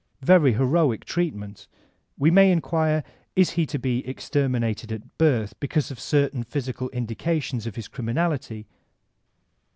Very heroic treatment. We may inquire, Is he to be extermin ated at birth because of certain physical indications of his criminality?